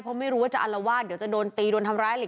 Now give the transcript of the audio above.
เพราะไม่รู้ว่าจะอลวาดเดี๋ยวจะโดนตีโดนทำร้ายอะไร